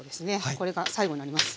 これが最後になります。